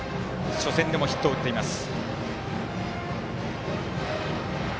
初戦でもヒットを打っています。